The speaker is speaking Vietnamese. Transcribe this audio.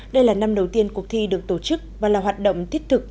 đây là năm đầu tiên cuộc thi được tổ chức và là hoạt động thiết thực